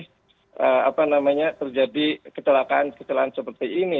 tapi apa namanya terjadi ketelakaan ketelakaan seperti ini